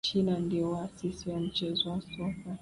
china ndio waasisi wa mchezo wa soka